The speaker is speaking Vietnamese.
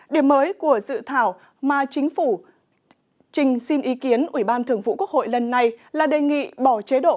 điểm mới của dự thảo mà chính phủ trình xin ý kiến ủy ban thường vụ quốc hội lần này là đề nghị bỏ chế độ